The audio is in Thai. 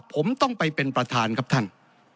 ผมต้องไปเป็นประธานครับท่าน